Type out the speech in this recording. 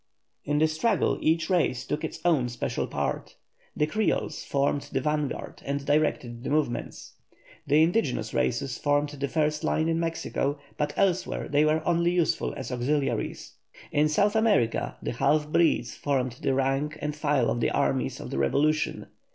In the struggle each race took its own special part. The Creoles formed the vanguard and directed the movements. The indigenous races formed the first line in Mexico, but elsewhere they were only useful as auxiliaries. In South America the half breeds formed the rank and file of the armies of the revolution.